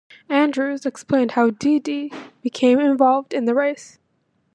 Andrews explained how Dee Dee became involved in the race.